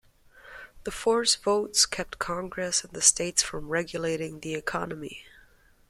The Four's votes kept Congress and the states from regulating the economy.